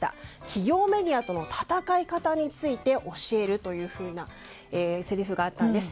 企業メディアとの戦い方について教えるというふうなせりふがあったんです。